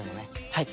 はい。